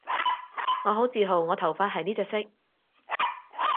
我好自豪我頭髮係呢隻色